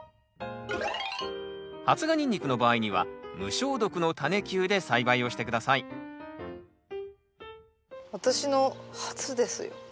発芽ニンニクの場合には無消毒のタネ球で栽培をして下さい私の初ですよ。